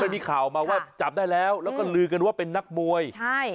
มีข่าวมาว่าจับได้แล้วแล้วก็ลือกันว่าเป็นนักมวยใช่